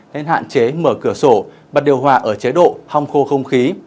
nên hạn chế mở cửa sổ bật điều hòa ở chế độ hong khô không khí